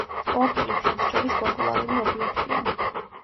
სპორტული თევზჭერის პოპულარული ობიექტია.